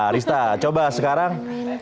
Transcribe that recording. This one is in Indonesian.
rista coba sekarang